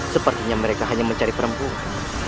sepertinya mereka hanya mencari perempuan